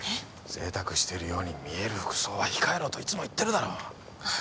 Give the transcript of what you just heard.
贅沢してるように見える服装は控えろといつも言ってるだろ。